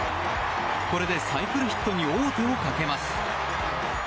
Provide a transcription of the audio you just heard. これでサイクルヒットに王手をかけます。